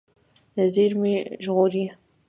زیرمې ژغورئ.